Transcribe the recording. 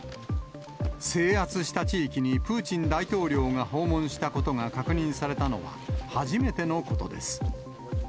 制圧した地域にプーチン大統領が訪問したことが確認されたのは初めてのことです。